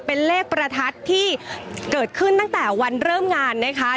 เป็นเลขประทัดที่เกิดขึ้นตั้งแต่วันเริ่มงานนะคะ